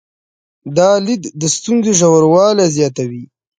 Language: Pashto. دا لید د ستونزې ژوروالي زیاتوي.